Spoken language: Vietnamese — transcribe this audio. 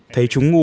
thấy chúng ngủ